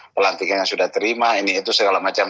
pelantikan yang sudah terima ini itu segala macam